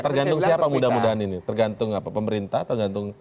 tergantung siapa mudah mudahan ini tergantung apa pemerintah tergantung